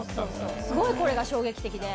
すごいこれが衝撃的で。